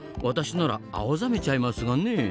私なら青ざめちゃいますがね。